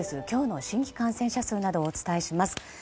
今日の新規感染者数などをお伝えします。